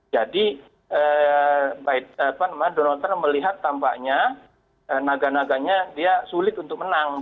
jadi donald trump melihat tampaknya naga naganya dia sulit untuk menang